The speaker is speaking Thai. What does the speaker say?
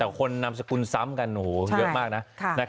แต่คนนามสกุลซ้ำกันเยอะมากนะ